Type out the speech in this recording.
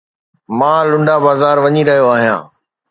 مان لنڊا بازار وڃي رهيو آهيان.